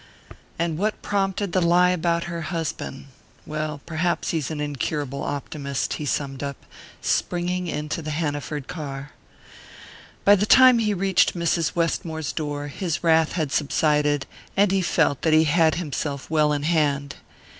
"And what prompted the lie about her husband? Well, perhaps he's an incurable optimist," he summed up, springing into the Hanaford car. By the time he reached Mrs. Westmore's door his wrath had subsided, and he felt that he had himself well in hand.